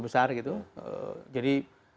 besar gitu jadi